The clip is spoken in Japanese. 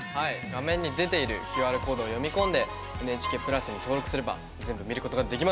画面に出ているＱＲコードを読み込んで「ＮＨＫプラス」に登録すれば全部見ることができます。